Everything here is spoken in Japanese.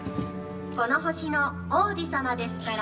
この星の王子様ですから。